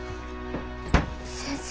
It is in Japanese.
先生。